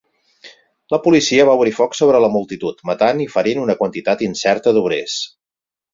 La policia va obrir foc sobre la multitud, matant i ferint una quantitat incerta d'obrers.